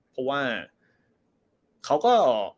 เพราะว่าเขาก็